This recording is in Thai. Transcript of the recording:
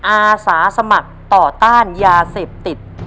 อาสาสมัครต่อต้านยาเสพติด